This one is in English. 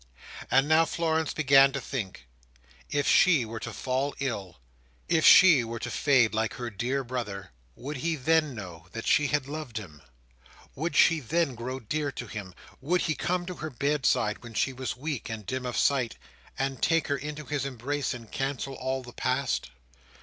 And now Florence began to think, if she were to fall ill, if she were to fade like her dear brother, would he then know that she had loved him; would she then grow dear to him; would he come to her bedside, when she was weak and dim of sight, and take her into his embrace, and cancel all the past?